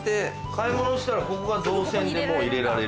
買い物したらここが動線でもう入れられる。